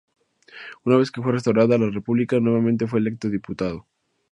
Una vez que fue restaurada la república, nuevamente, fue electo diputado.